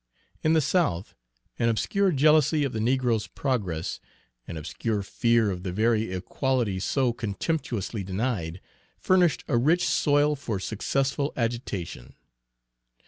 In the South, an obscure jealousy of the negro's progress, an obscure fear of the very equality so contemptuously denied, furnished a rich soil for successful agitation.